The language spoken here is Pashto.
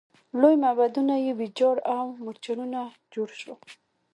لوی معبدونه یې ویجاړ او مورچلونه جوړ شول.